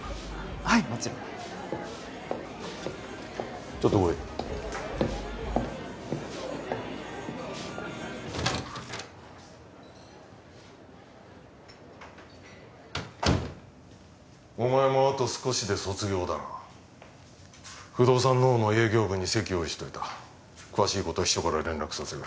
はいもちろんちょっと来いお前もあと少しで卒業だな不動産のほうの営業部に席用意しておいた詳しいことは秘書から連絡させる